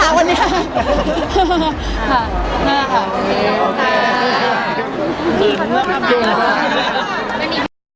โปรดติดตามตอนต่อไป